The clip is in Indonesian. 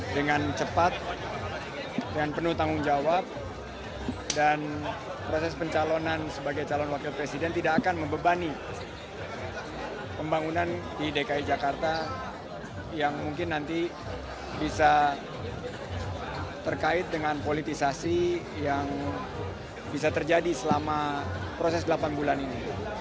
dan proses pencalonan sebagai calon wakil presiden tidak akan membebani pembangunan di dki jakarta yang mungkin nanti bisa terkait dengan politisasi yang bisa terjadi selama proses delapan bulan ini